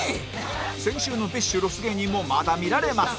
先週の ＢｉＳＨ ロス芸人もまだ見られます